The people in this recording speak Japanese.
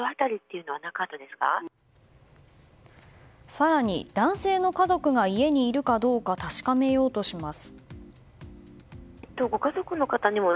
更に男性の家族が家にいるかどうか確かめようとします。